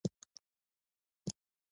مسلمان باید تر نورو مخکې ځان ورورسوي.